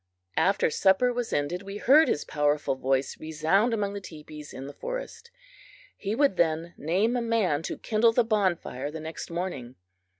After supper was ended, we heard his powerful voice resound among the teepees in the forest. He would then name a man to kindle the bonfire the next morning.